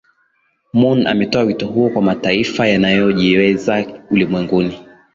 moon ametoa wito huo kwa mataifa yanayo jiweza ulimwenguni